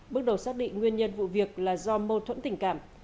bước đầu xác định nguyên nhân vụ việc là do mâu thuẫn tình cảm